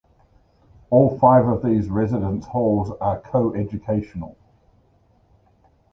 All five of these residence halls are coeducational.